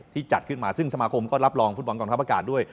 จัดขึ้นมาซึ่งสมาคมก็รับรองฟุตบอลกองทัพอากาศด้วย